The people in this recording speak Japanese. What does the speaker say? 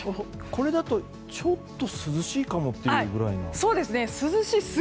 これだと、ちょっと涼しいかもというくらいの。